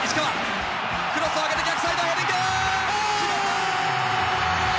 クロスを上げて逆サイド！